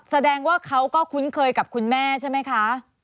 แสดงว่าเขาก็คุ้นเคยกับคุณแม่ใช่ไหมคะ